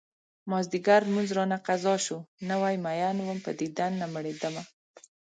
مازديګر لمونځ رانه قضا شو نوی مين وم په دیدن نه مړيدمه